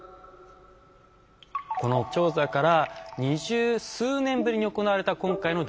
この調査から二十数年ぶりに行われた今回の大規模調査。